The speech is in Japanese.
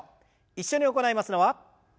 一緒に行いますのは。